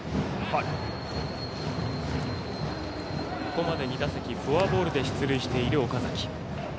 ここまで２打席フォアボールで出塁している岡崎。